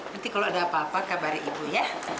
nanti kalau ada apa apa kabari ibu ya